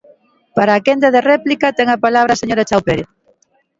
Para a quenda de réplica, ten a palabra a señora Chao Pérez.